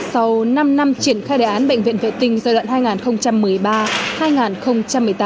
sau năm năm triển khai đề án bệnh viện vệ tinh giai đoạn hai nghìn một mươi ba